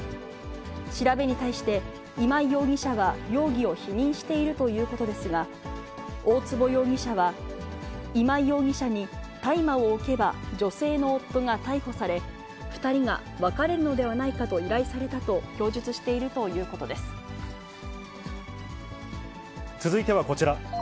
調べに対して、今井容疑者は容疑を否認しているということですが、大坪容疑者は、今井容疑者に大麻を置けば女性の夫が逮捕され、２人が別れるのではないかと依頼されたと供述しているということ続いてはこちら。